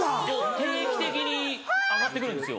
定期的に上がって来るんですよ。